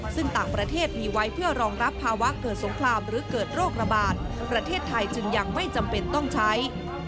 ซึ่งต่างประเทศมีไว้เพื่อรองรับภาวะเกิดสงครามหรือเกิดโรคระบาดประเทศไทยจึงยังไม่จำเป็นต้องใช้